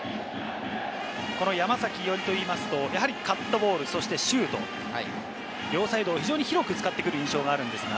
この山崎伊織といいますと、やはりカットボール、シュート、両サイドを非常に広く使ってくる印象がありますが。